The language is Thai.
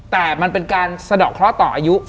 แต่มันเป็นการสะดอกเคราะห์ต่ออายุ